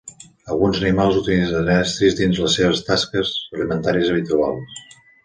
Alguns animals utilitzen estris dins les seves tasques alimentàries habituals.